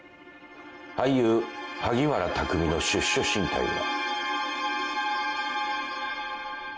俳優萩原匠の出処進退は。